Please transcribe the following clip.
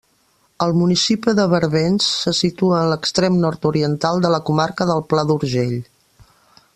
El municipi de Barbens se situa en l'extrem nord-oriental de la comarca del Pla d'Urgell.